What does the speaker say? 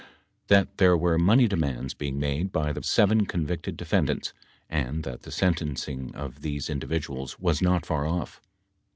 that there were money demands being made by the seven convicted defendants, and that the sentencing of these individuals was not far off.